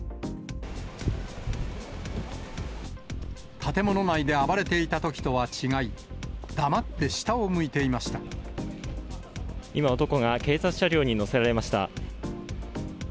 建物内で暴れていたときとは違い、今、男が警察車両に乗せられました。